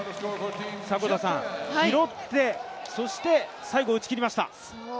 拾って、そして最後打ち切りました。